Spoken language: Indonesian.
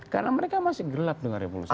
karena mereka masih gelap dengan revolusi mental